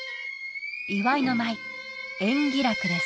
祝いの舞「延喜楽」です